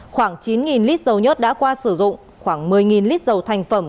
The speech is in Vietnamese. khoảng chín lít dầu nhất đã qua sử dụng khoảng một mươi lít dầu thành phẩm